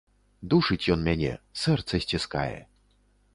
Душыць ён мяне, сэрца сціскае.